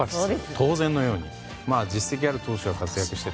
当然のように実績ある投手が活躍して。